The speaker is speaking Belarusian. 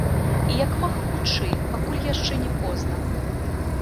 І як мага хутчэй, пакуль яшчэ не позна.